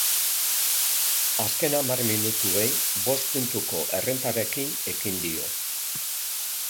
Azken hamar minutuei bost puntuko errentarekin ekin dio.